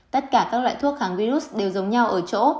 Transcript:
tất cả các loại thuốc kháng virus đều giống nhau ở chỗ